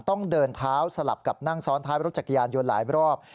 ต้องเดินเท้าสลับกับนั่งซ้อนท้ายรถจักรยานยนต์หลายรอบ